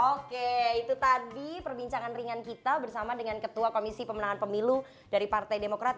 oke itu tadi perbincangan ringan kita bersama dengan ketua komisi pemenangan pemilu dari partai demokrat